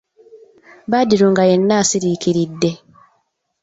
Badru nga yenna asiriikiridde!